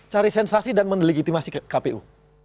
cari sensasi dan mendelegitimasi kpu